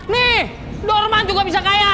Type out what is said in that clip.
nih dorman juga bisa kaya